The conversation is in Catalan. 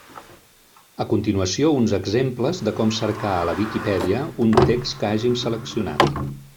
A continuació uns exemples de com cercar a la Viquipèdia un text que hàgim seleccionat.